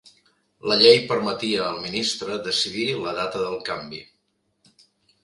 La llei permetia al ministre decidir la data del canvi.